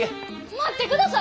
待ってください！